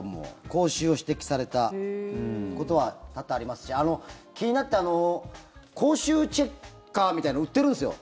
口臭を指摘されたことは多々ありますし気になって口臭チェッカーみたいなの売ってるんですよ。